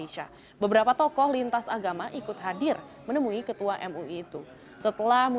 sekitar dua puluh menit